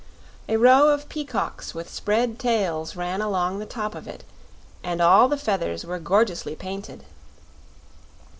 A row of peacocks with spread tails ran along the top of it, and all the feathers were gorgeously painted.